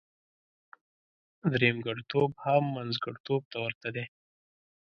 درېمګړتوب هم منځګړتوب ته ورته دی.